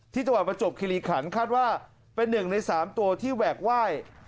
ที่จะมาจบขิริขันคาดว่าเป็นหนึ่งในสามตัวที่แหวกไหว้